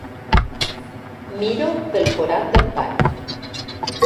Miro pel forat del pany.